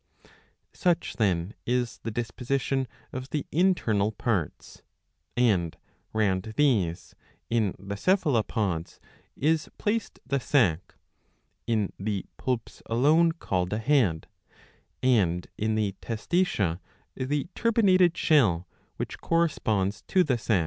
Such, then, is the disposition of the internal parts ; and round these, in the Cephalopods, is placed the sac (in the Poulps alone called a head),^ and, in the Testacea, the turbinated shell which corresponds to the sac.